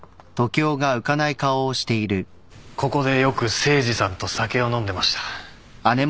ここでよく誠司さんと酒を飲んでました。